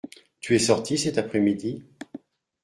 Tu es sorti cet après-midi ?